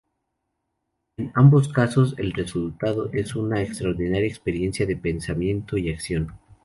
En ambos casos, el resultado es una extraordinaria experiencia de pensamiento y acción.